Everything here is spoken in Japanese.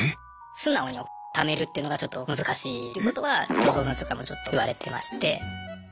素直に貯めるっていうのがちょっと難しいってことは児童相談所からもちょっと言われてまして。